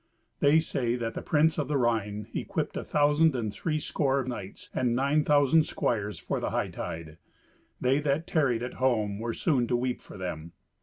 They say that the Prince of the Rhine equipped a thousand and three score of knights, and nine thousand squires for the hightide. They that tarried at home were soon to weep for them.